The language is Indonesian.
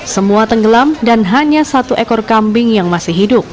semua tenggelam dan hanya satu ekor kambing yang masih hidup